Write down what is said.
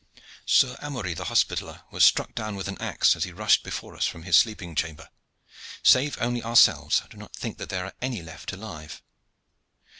Sir Amory the Hospitaller was struck down with an axe as he rushed before us from his sleeping chamber. Save only ourselves, I do not think that there are any left alive."